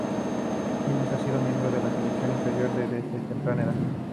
Hines ha sido miembro de las selecciones inferiores de desde temprana edad.